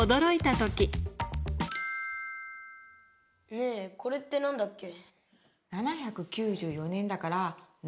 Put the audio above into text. ねぇこれって何だっけ？